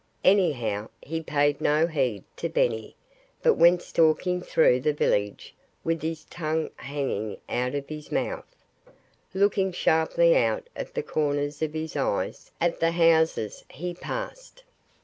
Anyhow, he paid no heed to Benny, but went stalking through the village with his tongue hanging out of his mouth, looking sharply out of the corners of his eyes at the houses he passed.